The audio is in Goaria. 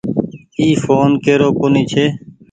اي ڦون ڪيرو ڪونيٚ ڇي۔